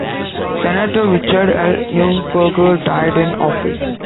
Senator Richard L. Neuberger died in office.